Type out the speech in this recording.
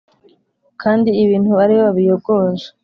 kandi ibintu ari we wabiyogoje!